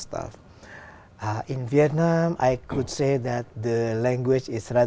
trong việt nam tôi có thể nói rằng